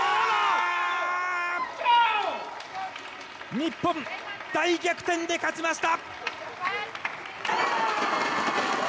日本、大逆転で勝ちました。